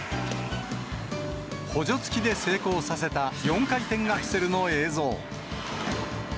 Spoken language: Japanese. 補助付きで成功させた４回転アクセルの映像。